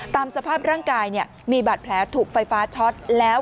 ตามสภาพร่างกายมีบาดแผลถูกไฟฟ้าช็อตแล้ว